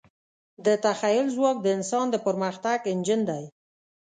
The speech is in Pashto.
د تخیل ځواک د انسان د پرمختګ انجن دی.